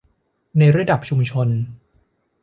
ในระดับชุมชน